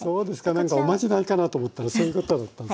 何かおまじないかなと思ったらそういうことだったんですね。